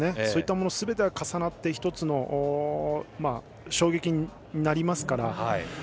そういったものすべてが重なって１つの衝撃になりますから。